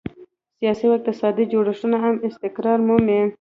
سیاسي او اقتصادي جوړښتونه هم استقرار مومي.